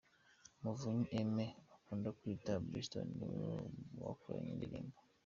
Muvunyi Aime bakunda kwita Blueston niwe bakoranye iyi ndirimbo.